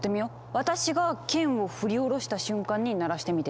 私が剣を振り下ろした瞬間に鳴らしてみて！